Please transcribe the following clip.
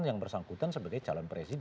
yang bersangkutan sebagai calon presiden